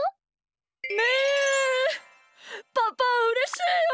パパうれしいよ！